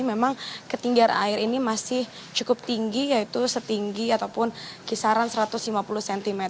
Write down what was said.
memang ketinggian air ini masih cukup tinggi yaitu setinggi ataupun kisaran satu ratus lima puluh cm